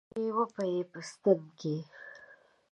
ستوري وپېي په ستن کې